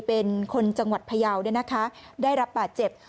เป็นคนจังหวัดพยาวด้วยนะคะได้ระบาดเจ็บ